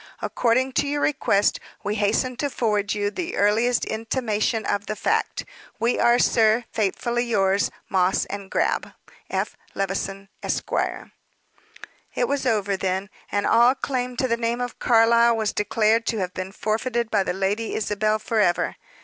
According to your request, we hasten to forward you the earliest intimation of the fact. "We are, sir, faithfully yours, "MOSS & GRAB. "F. LEVISON, Esq." It was over, then, and all claim to the name of Carlyle was declared to have been forfeited by the Lady Isabel forever.